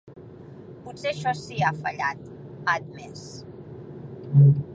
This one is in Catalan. Potser això sí ha fallat, ha admès.